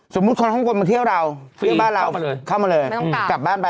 คนข้างบนมาเที่ยวเราเที่ยวบ้านเราเข้ามาเลยกลับบ้านไป